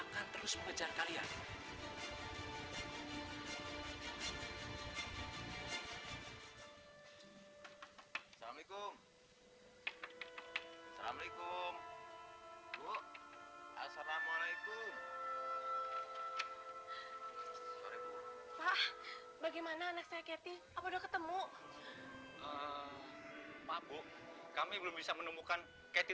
ketika kita berdua kita tidak bisa menemukan keti